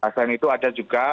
selain itu ada juga